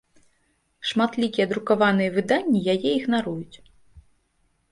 Шматлікія друкаваныя выданні яе ігнаруюць.